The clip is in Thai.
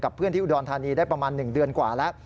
เพื่อนที่อุดรธานีได้ประมาณ๑เดือนกว่าแล้ว